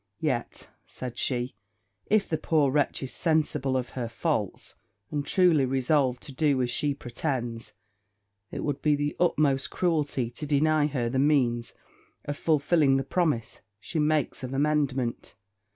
'Yet,' said she, 'if the poor wretch is sensible of her faults, and truly resolved to do as she pretends, it would be the utmost cruelty to deny her the means of fulfilling the promise she makes of amendment.